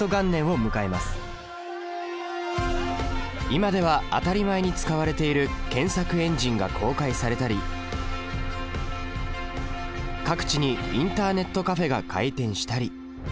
今では当たり前に使われている検索エンジンが公開されたり各地にインターネットカフェが開店したり。